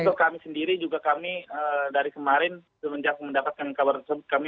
untuk kami sendiri juga kami dari kemarin semenjak mendapatkan kabar tersebut